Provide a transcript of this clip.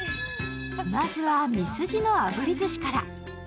まずはミスジの炙りずしから。